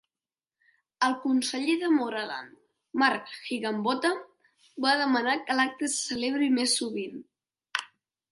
El conseller de Moreland, Mark Higginbotham va demanar que l'acte se celebri més sovint.